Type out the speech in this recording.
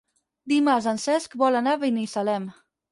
Dimarts en Cesc vol anar a Binissalem.